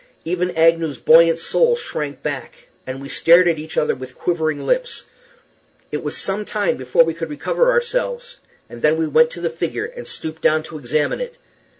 Even Agnew's buoyant soul shrank back, and we stared at each other with quivering lips. It was some time before we could recover ourselves; then we went to the figure, and stooped down to examine it.